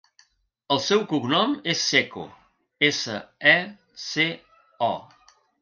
El seu cognom és Seco: essa, e, ce, o.